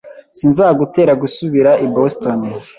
Sinzagutera gusubira i Boston.